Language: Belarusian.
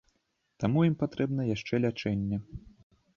Таму ім патрэбна яшчэ лячэнне.